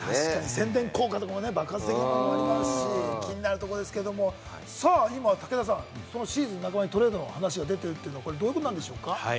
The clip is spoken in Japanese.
宣伝効果も爆発的なものがありますし、気になるところですが、武田さん、シーズン半ばにトレードの話が出ているということですけれど、どういうことなんでしょうか？